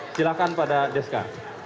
silakan pada deska